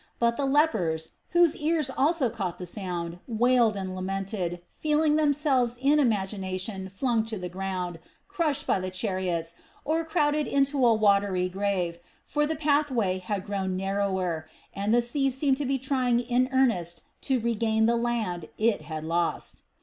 But the lepers, whose ears also caught the sound, wailed and lamented, feeling themselves in imagination flung to the ground, crushed by the chariots, or crowded into a watery grave, for the pathway had grown narrower and the sea seemed to be trying in earnest to regain the land it had lost.